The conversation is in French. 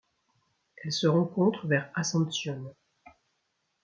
Elle se rencontre vers Ascensión.